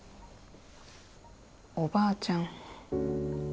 おばあちゃん